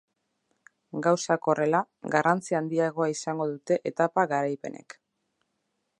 Gauzak horrela, garrantzi handiagoa izango dute etapa garaipenek.